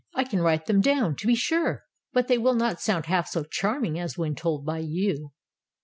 "I can write them down, to be sure, but they will not sound half so charming as when told by you.